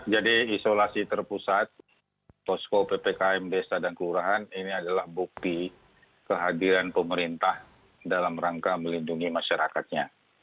jadi isolasi terpusat posko ppkm besa dan kelurahan ini adalah bukti kehadiran pemerintah dalam rangka melindungi masyarakatnya